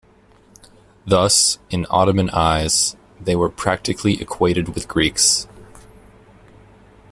Thus, in Ottoman eyes, they were practically equated with Greeks.